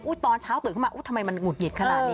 ตอนเช้าตื่นขึ้นมาอุ๊ยทำไมมันหุดหงิดขนาดนี้